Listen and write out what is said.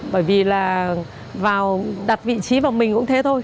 bởi vì là vào đặt vị trí vào mình cũng thế thôi